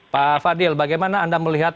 pak fadil bagaimana anda melihat